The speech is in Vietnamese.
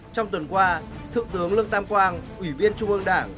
trong tuần qua thượng tướng lương tam quang ủy viên trung ương đảng